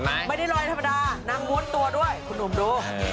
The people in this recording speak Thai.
ไม่ได้ลอยธรรมดานางม้วนตัวด้วยคุณหนุ่มดู